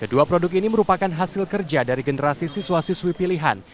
kedua produk ini merupakan hasil kerja dari generasi siswa siswi pilihan